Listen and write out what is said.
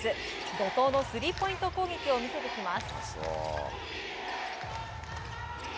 怒涛のスリーポイント攻撃を見せてきます。